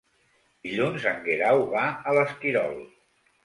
Dilluns en Guerau va a l'Esquirol.